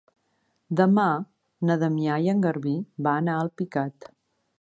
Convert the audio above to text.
Demà na Damià i en Garbí van a Alpicat.